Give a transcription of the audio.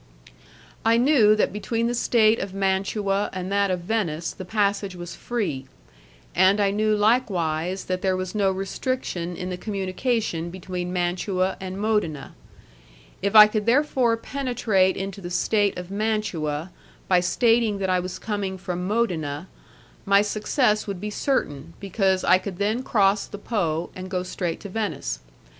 I knew that between the state of Mantua and that of Venice the passage was free, and I knew likewise that there was no restriction in the communication between Mantua and Modena; if I could therefore penetrate into the state of Mantua by stating that I was coming from Modena, my success would be certain, because I could then cross the Po and go straight to Venice.